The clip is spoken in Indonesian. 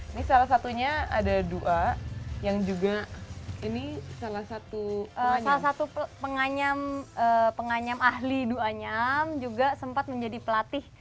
ini salah satunya ada dua yang juga ini salah satu penganyam penganyam ahli dua anyam juga sempat menjadi pelatih